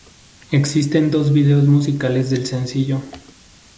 Existen dos vídeos musicales del sencillo.